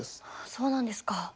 そうなんですか。